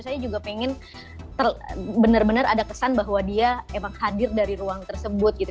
saya juga pengen benar benar ada kesan bahwa dia emang hadir dari ruang tersebut gitu